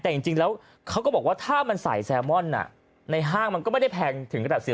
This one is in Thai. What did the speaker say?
แต่จริงแล้วเขาก็บอกว่าถ้ามันใส่แซลมอนในห้างมันก็ไม่ได้แพงถึงขนาดเสีย